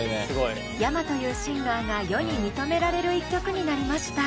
ｙａｍａというシンガーが世に認められる一曲になりました。